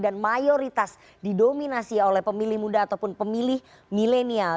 dan mayoritas didominasi oleh pemilih muda ataupun pemilih milenial